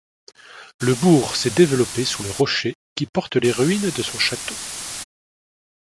Le bourg s’est développé sous le rocher qui porte les ruines de son château.